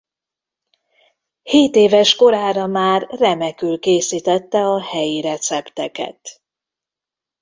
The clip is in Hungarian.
Hétéves korára már remekül készítette a helyi recepteket.